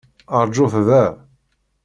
Rǧut da!